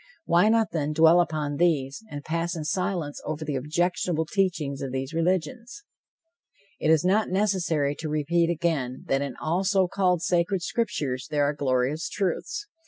Why not, then, dwell upon these, and pass in silence over the objectionable teachings of these religions? It is not necessary to repeat again that in all so called sacred scriptures, there are glorious truths.